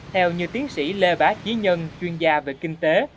theo như tiến sĩ lê bá trí nhân chuyên gia về kinh tế